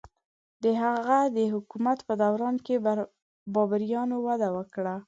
د هغه د حکومت په دوران کې بابریانو وده وکړه.